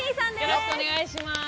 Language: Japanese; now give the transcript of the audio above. よろしくお願いします。